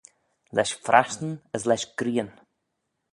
Lesh frassyn as lesh grian.